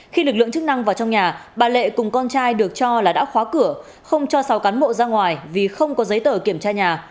khi lực lượng chức năng vào trong nhà bà lệ cùng con trai được cho là đã khóa cửa không cho sáu cán bộ ra ngoài vì không có giấy tờ kiểm tra nhà